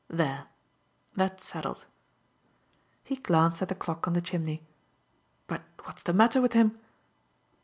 There that's settled." He glanced at the clock on the chimney. "But what's the matter with him?"